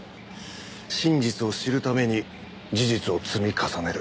真実を知るために事実を積み重ねる。